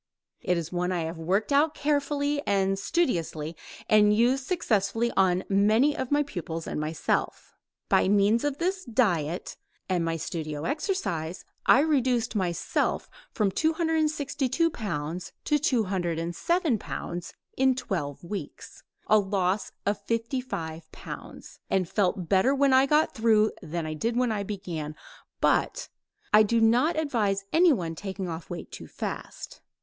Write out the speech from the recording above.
It is one I have worked out carefully and studiously and used successfully on many of my pupils and myself. By means of this diet and my studio exercise I reduced myself from 262 pounds to 207 pounds in twelve weeks a loss of 55 pounds, and felt better when I got through than I did when I began, but, I do not advise anyone taking off weight too fast.